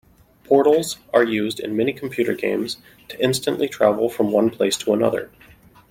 Portals are used in many computer games to instantly travel from one place to another.